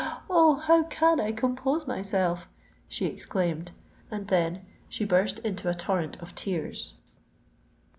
Oh! how can I compose myself?" she exclaimed; and then she burst into a torrent of tears.